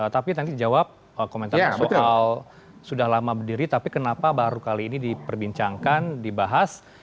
tapi nanti dijawab komentarnya soal sudah lama berdiri tapi kenapa baru kali ini diperbincangkan dibahas